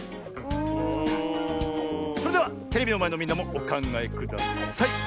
それではテレビのまえのみんなもおかんがえください！